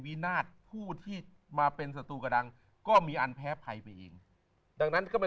วินาศผู้ที่มาเป็นศัตรูกระดังก็มีอันแพ้ภัยไปเองดังนั้นก็ไม่